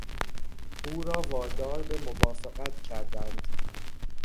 او را وادار به موافقت کردند.